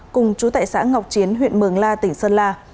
cùng chú tại xã ngọc chiến huyện mường la tỉnh sơn la